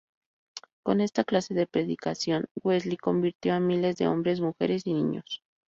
Con esta clase de predicación, Wesley convirtió a miles de hombres, mujeres y niños.